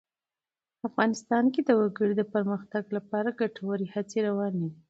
افغانستان کې د وګړي د پرمختګ لپاره ګټورې هڅې روانې دي.